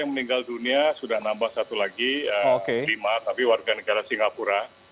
yang meninggal dunia sudah nambah satu lagi lima tapi warga negara singapura